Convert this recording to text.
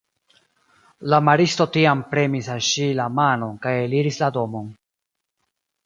La maristo tiam premis al ŝi la manon kaj eliris la domon.